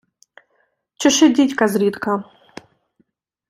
Чеши дідька зрідка.